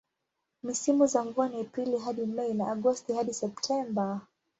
Misimu za mvua ni Aprili hadi Mei na Agosti hadi Septemba.